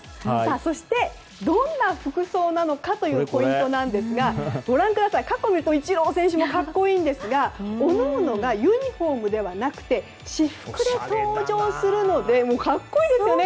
そしてどんな服装なのかというポイントですが過去見るとイチロー選手も格好いいんですが各々がユニホームではなくて私服で登場するので格好いいですよね！